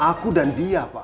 aku dan dia pak